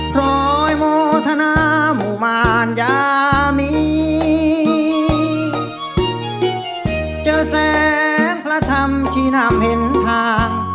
พรอยโมทนาหมู่มารยามีเจอแสงพระธรรมชีนำเห็นทาง